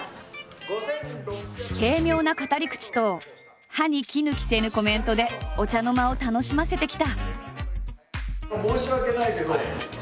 軽妙な語り口と歯に衣着せぬコメントでお茶の間を楽しませてきた。